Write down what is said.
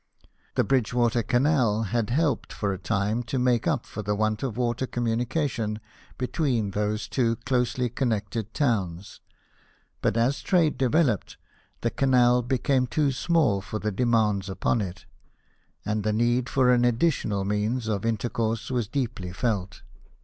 The Bridgewater canal had helped for a time to make up for the want of water communication between those two closely connected towns ; but as trade developed, the canal became too small for the demands upon it, and the need for an additional means of intercourse was deeply felt.